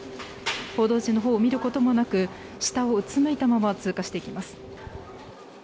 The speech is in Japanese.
報道陣の方を見ることもなく下をうつむいたまま通過していきます。